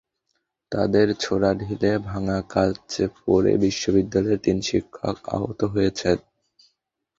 তাদের ছোড়া ঢিলে ভাঙা কাচ পড়ে বিশ্ববিদ্যালয়ের তিন শিক্ষক আহত হয়েছেন।